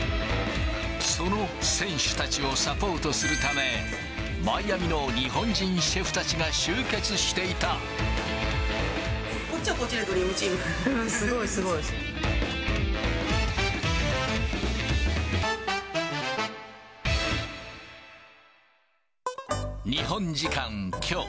その選手たちをサポートするため、マイアミの日本人シェフたちが集こっちはこっちでドリームチすごい、すごい。日本時間きょう。